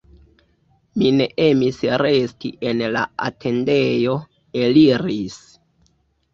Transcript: Mi ne emis resti en la atendejo, eliris.